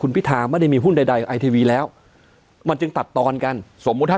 พิธาไม่ได้มีหุ้นใดไอทีวีแล้วมันจึงตัดตอนกันสมมุติถ้า